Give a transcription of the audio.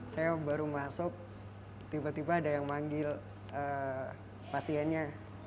saya baru masuk tiba tiba ada yang manggil pasiennya